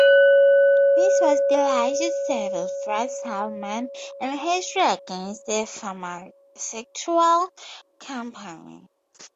This was the largest civil fraud settlement in history against a pharmaceutical company.